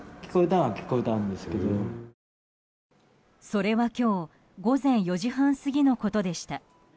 それは今日午前４時半過ぎのことでした。